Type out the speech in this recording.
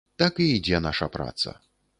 Так і ідзе наша праца.